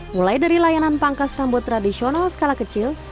mulai dari layanan pangkas rambut tradisional skala kecil